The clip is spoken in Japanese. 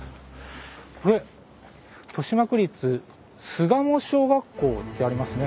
これ豊島区立巣鴨小学校ってありますね。